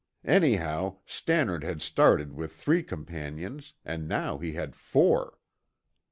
Anyhow, Stannard had started with three companions and now he had four.